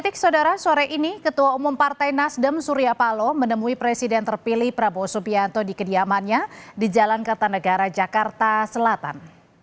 ketua umum partai nasdem surya palo menemui presiden terpilih prabowo supianto di kediamannya di jalan kertanegara jakarta selatan